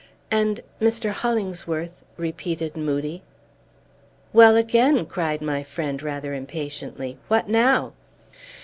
"And, Mr. Hollingsworth!" repeated Moodie. "Well, again!" cried my friend rather impatiently. "What now?"